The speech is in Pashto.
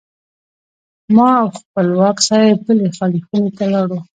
ما او خپلواک صاحب بلې خالي خونې ته لاړو.